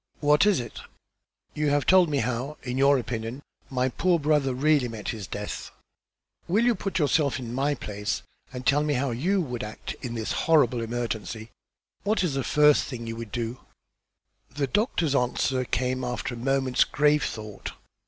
"What is it?" "You have told me how, in your opinion, my poor brother really met his death. Will you put yourself in my place, and tell me how you would act in this horrible emergency? What is the first thing you would do?" The doctor's answer came after a moment's grave thought.